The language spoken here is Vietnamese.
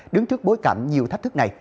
đứng trước bối cảnh nhiều thách thức này